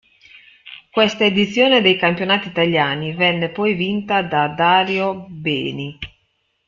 Questa edizione dei campionati italiani venne poi vinta da Dario Beni.